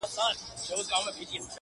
نړېدلي دېوالونه! دروازې د ښار پرتې دي!